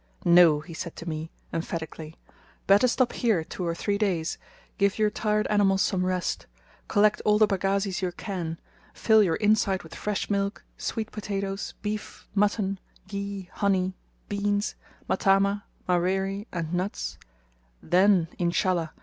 "No!" said he to me, emphatically, "better stop here two or three days, give your tired animals some rest; collect all the pagazis you can, fill your inside with fresh milk, sweet potatoes, beef, mutton, ghee, honey, beans, matama, maweri, and nuts; then, Inshallah!